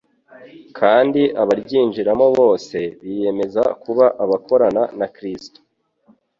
kandi abaryinjiramo bose biyemeza kuba abakorana na Kristo.